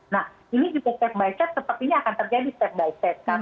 nah ini juga step by step sepertinya akan terjadi step by step kan